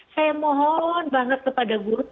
saya mohon banget kepada guru